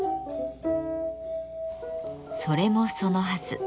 それもそのはず。